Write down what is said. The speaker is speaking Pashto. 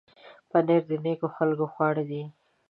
پنېر د نېکو خلکو خواړه دي.